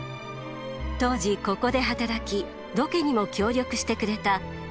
当時ここで働きロケにも協力してくれた吉永衛さん。